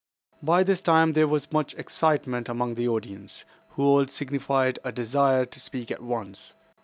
By this time there was much excitement among the audience, who all signified a desire to speak at once.